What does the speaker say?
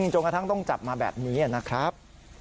จนกระทั่งต้องจับมาแบบนี้นะครับ